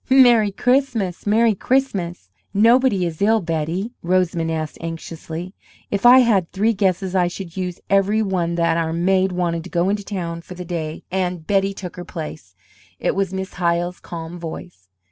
"Merry Christmas! Merry Christmas!" "Nobody is ill, Betty?" Rosamond asked, anxiously. "If I had three guesses, I should use every one that our maid wanted to go into town for the day, and Betty took her place." It was Miss Hyle's calm voice.